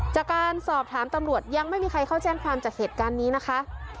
จากการสอบถามตำรวจยังไม่มีใครเข้าแจ้งความจากเหตุการณ์นี้นะคะ